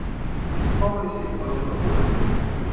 Qual município você procura?